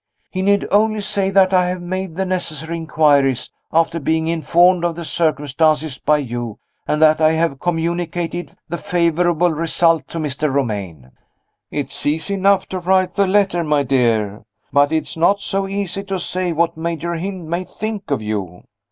He need only say that I have made the necessary inquiries, after being informed of the circumstances by you, and that I have communicated the favorable result to Mr. Romayne." "It's easy enough to write the letter, my dear. But it's not so easy to say what Major Hynd may think of you."